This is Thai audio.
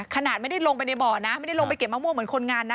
ขนาดไม่ได้ลงไปในบ่อนะไม่ได้ลงไปเก็บมะม่วงเหมือนคนงานนะ